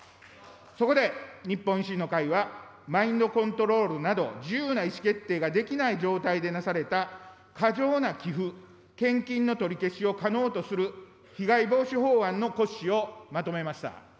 そこで日本維新の会は、マインドコントロールなど、自由な意思決定ができない状態でなされた過剰な寄付・献金の取り消しを可能とする被害防止法案の骨子をまとめました。